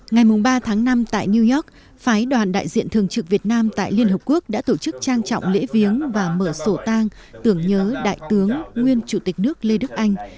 ngày ba tháng năm tại new york phái đoàn đại diện thường trực việt nam tại liên hợp quốc đã tổ chức trang trọng lễ viếng và mở sổ tang tưởng nhớ đại tướng nguyên chủ tịch nước lê đức anh